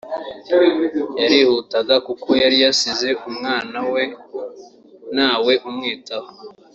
yarihutaga kuko yari yasize umwana we ntawe umwitaho